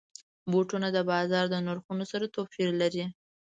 بوټونه د بازار د نرخونو سره توپیر لري.